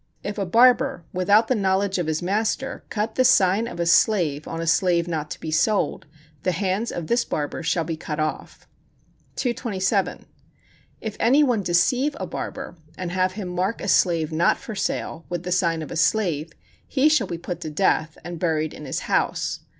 If a barber, without the knowledge of his master, cut the sign of a slave on a slave not to be sold, the hands of this barber shall be cut off. 227. If any one deceive a barber, and have him mark a slave not for sale with the sign of a slave, he shall be put to death, and buried in his house.